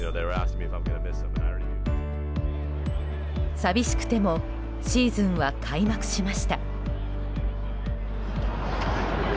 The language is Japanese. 寂しくてもシーズンは開幕しました。